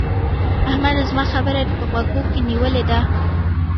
احمده! زما خبره دې په غوږو کې نيولې ده؟